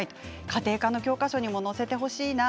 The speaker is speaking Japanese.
家庭科の教科書にも載せてほしいな。